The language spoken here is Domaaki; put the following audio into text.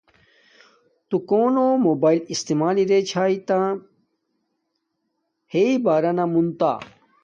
تو کونو موباݵل فون استعمال ارے چھایݵ تی ہییݵ بارانا مون تہ